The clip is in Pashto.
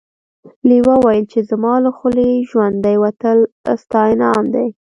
لیوه وویل چې زما له خولې ژوندی وتل ستا انعام دی.